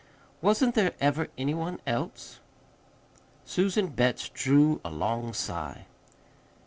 Wasn't there ever any one else?" Susan Betts drew a long sigh.